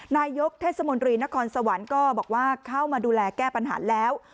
นายกเทศมนตรีนครสวรรค์ก็บอกว่าเข้ามาดูแลแก้ปัญหาแล้ว